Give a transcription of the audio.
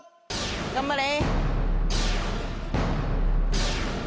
頑張れ！